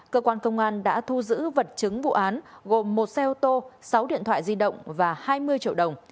cơ quan công an đã thu giữ vật chứng vụ án gồm một xe ô tô sáu điện thoại di động và hai mươi triệu đồng